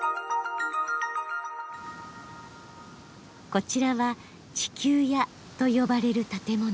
こちらは「地球屋」と呼ばれる建物。